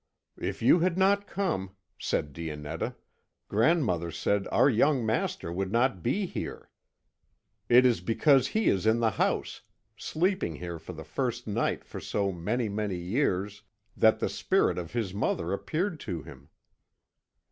"If you had not come," said Dionetta, "grandmother said our young master would not be here. It is because he is in the house, sleeping here for the first night for so many, many years, that the spirit of his mother appeared to him."